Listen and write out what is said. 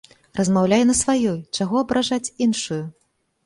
Размаўляй на сваёй, чаго абражаць іншую?